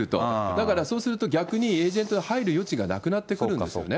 だから、そうすると、逆にエージェントが入る余地がなくなってくるんですね。